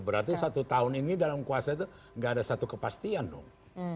berarti satu tahun ini dalam kuasa itu nggak ada satu kepastian dong